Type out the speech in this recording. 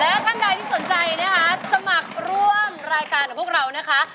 และท่านใดที่สนใจนะคะสมัครร่วมรายการกับพวกเรานะคะ